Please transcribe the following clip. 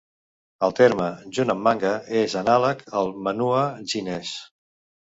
El terme, junt amb manga, és anàleg al manhua xinès.